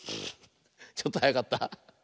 ちょっとはやかった？